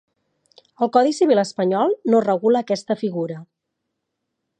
El codi civil espanyol no regula aquesta figura.